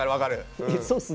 そうっすね。